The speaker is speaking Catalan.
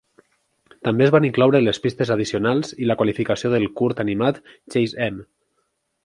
També es van incloure les pistes addicionals i la qualificació del curt animat "Chase Em".